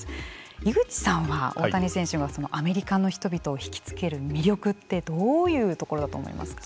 井口さんは大谷選手がアメリカの人々を引き付ける魅力ってどういうところだと思いますか。